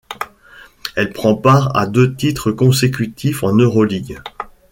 Elle prend part à deux titres consécutifs en Euroligue.